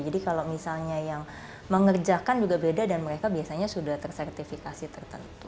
jadi kalau misalnya yang mengerjakan juga beda dan mereka biasanya sudah tersertifikasi tertentu